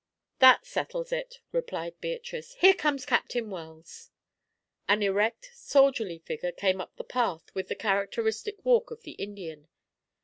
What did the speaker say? "That settles it," replied Beatrice. "Here comes Captain Wells." An erect, soldierly figure came up the path with the characteristic walk of the Indian.